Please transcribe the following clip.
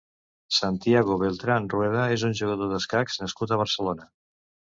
Santiago Beltrán Rueda és un jugador d'escacs nascut a Barcelona.